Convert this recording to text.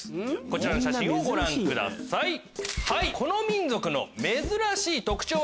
こちらの写真をご覧ください。